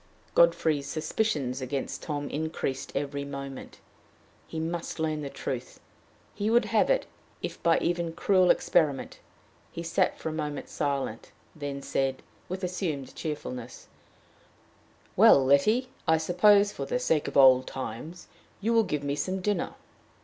Godfrey's suspicions against Tom increased every moment. He must learn the truth. He would have it, if by an even cruel experiment! He sat a moment silent then said, with assumed cheerfulness: "Well, Letty, I suppose, for the sake of old times, you will give me some dinner?"